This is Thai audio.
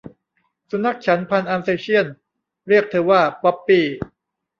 สุนัขฉันพันธุ์อัลเซเชี่ยนเรียกเธอว่า 'ป๊อปปี้'